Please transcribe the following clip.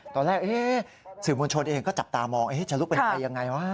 ตอนแรกสื่อมวลชนเองก็จับตามองจะลุกเป็นใครยังไงวะ